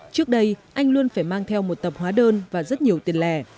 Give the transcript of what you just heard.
trước đây anh luôn phải mang theo một tập hóa đơn và rất nhiều tiền lẻ